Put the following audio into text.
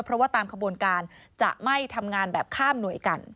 เพราะว่าตามขบวนการจะไม่ทำงานแบบข้ามหน่วยกัน